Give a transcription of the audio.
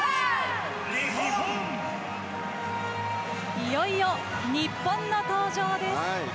いよいよ日本の登場です。